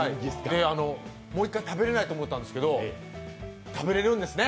もう一回食べれないと思ったんですけど食べれるんですね。